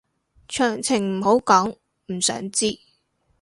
詳情唔好講，唔想知